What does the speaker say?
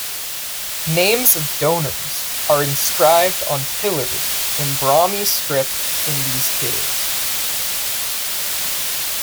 Names of donors are inscribed on pillars in Brahmi script in these caves.